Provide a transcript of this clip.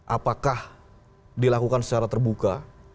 apakah dilakukan secara terbuka